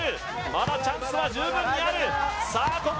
まだチャンスは十分にあるさあ